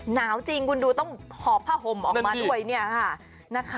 หนาวจริงคุณดูต้องหอบผ้าห่มออกมาด้วยเนี่ยค่ะ